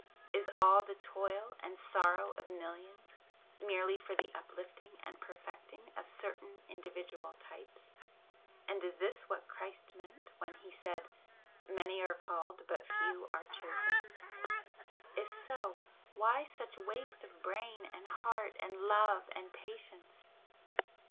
Is all the toil and sorrow of millions merely for the uplifting and perfecting of certain individual types, and is this what Christ meant when He said 'Many are called but few are chosen'? If so, why such waste of brain and heart and love and patience?